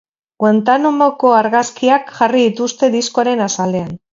Guantanamoko argazkiak jarri dituzte diskoaren azalean.